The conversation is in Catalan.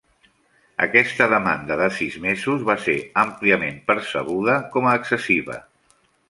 Aquesta demanda de sis mesos va ser àmpliament percebuda com a excessiva.